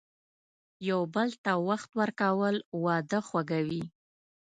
یو بل ته وخت ورکول، واده خوږوي.